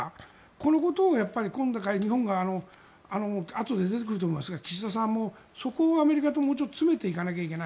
このことを日本があとで出てくると思いますが岸田さんも、そこをアメリカともうちょっと詰めていかなきゃいけない。